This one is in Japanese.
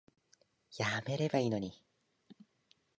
やめればいいのに